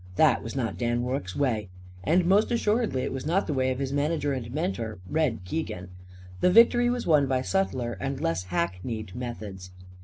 That was not Dan Rorke's way. And most assuredly it was not the way of his manager and mentor, Red Keegan. The victory was won by subtler and less hackneyed methods.